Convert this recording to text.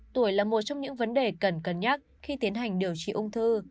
tuổi là một trong những vấn đề cần cân nhắc khi tiến hành điều trị ung thư